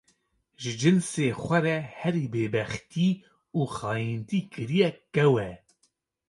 ji cinsê xwe re herî bêbextî û xayîntî kiriye kew e.